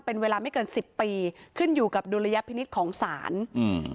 เป็นเวลาไม่เกินสิบปีขึ้นอยู่กับดุลยพินิษฐ์ของศาลอืม